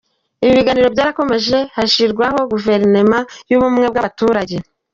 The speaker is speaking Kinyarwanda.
Ibiganiro byarakomeje hashyirwaho guverinoma y’ubumwe bw’abaturage.